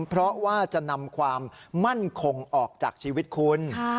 เพราะว่าจะนำความมั่นคงออกจากชีวิตคุณ